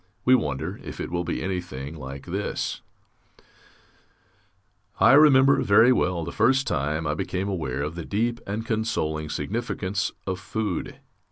We wonder if it will be anything like this: I remember very well the first time I became aware of the deep and consoling significance of food.